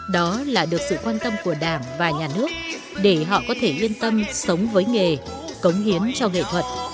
đó là được sự quan tâm của đảng và nhà nước để họ có thể yên tâm sống với nghề cống hiến cho nghệ thuật